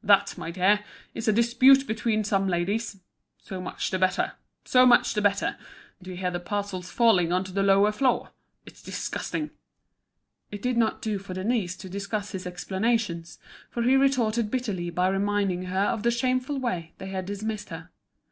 That, my dear, is a dispute between some ladies. So much the better! So much the better! Do you hear the parcels falling on to the lower floor? It's disgusting!" It did not do for Denise to discuss his explanations, for he retorted bitterly by reminding her of the shameful way they had dismissed her.